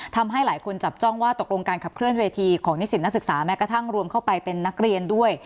ทำให้หลายคนจับจ้องว่าตกลงการขับเคลื่อเวทีของนิสิตนักศึกษาแม้กระทั่งรวมเข้าไปเป็นนักเรียนด้วย